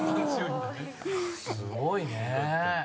すごいねぇ。